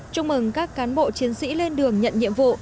chúc mừng các cán bộ chiến sĩ lên đường nhận nhiệm vụ